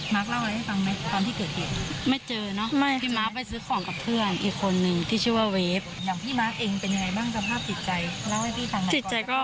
มาร์คเล่าอะไรให้ฟังไหมตอนที่เกิดเหตุ